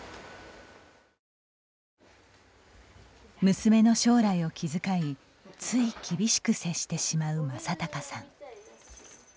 娘の将来を気遣いつい厳しく接してしまう眞孝さん。